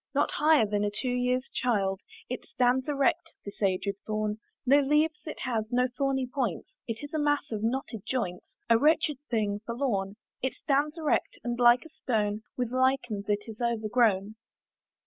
Not higher than a two years' child, It stands erect this aged thorn; No leaves it has, no thorny points; It is a mass of knotted joints, A wretched thing forlorn. It stands erect, and like a stone With lichens it is overgrown.